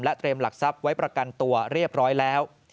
เตรียมหลักทรัพย์ไว้ประกันตัวเรียบร้อยแล้ว